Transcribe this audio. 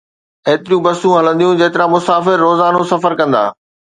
ايتريون بسون هلنديون، جيترا مسافر روزانو سفر ڪندا.